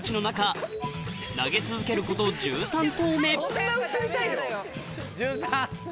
そんな映りたいの⁉１３。